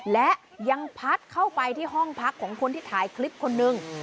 และยังพัดเข้าไปที่ห้องพักของคนที่ถ่ายคลิปคนนึง